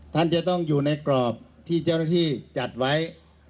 ท่านจะต้องอยู่ในกรอบที่เจ้าหน้าที่จัดไว้